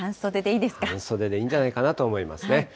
半袖でいいんじゃないかなと思いますね。